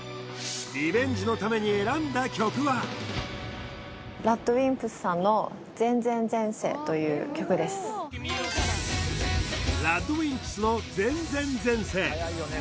リベンジのためにという曲ですＲＡＤＷＩＭＰＳの「前前前世」